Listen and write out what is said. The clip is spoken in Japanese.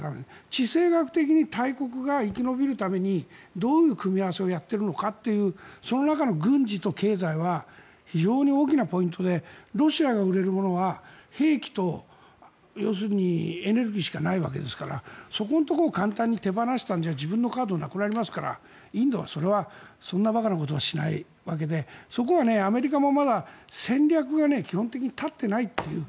地政学的に大国が生き延びるためにどういう組み合わせをやっているのかというその中の軍事と経済は非常に大きなポイントでロシアが売れるものは兵器と、要するにエネルギーしかないわけですからそこのところを簡単に手放したら自分のカードがなくなりますからインドはそれはそんな馬鹿なことはしないわけでそこはアメリカも、まだ戦略が基本的に立っていないという。